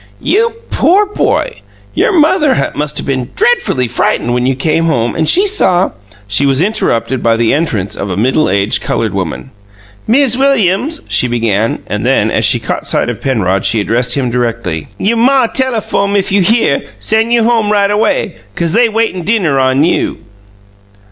"You poor boy! Your mother must have been dreadfully frightened when you came home and she saw " She was interrupted by the entrance of a middle aged coloured woman. "Miz Williams," she began, and then, as she caught sight of Penrod, she addressed him directly, "You' ma telefoam if you here, send you home right away, 'cause they waitin' dinner on you."